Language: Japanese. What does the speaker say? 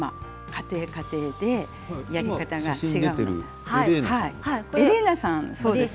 家庭家庭でやりやり方が違うんです。